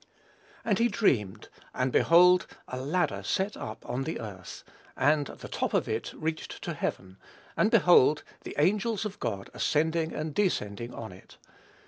"And he dreamed, and behold a ladder set up on the earth, and the top of it reached to heaven: and behold the angels of God ascending and descending on it.